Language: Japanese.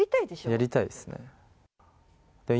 やりたいでしょ？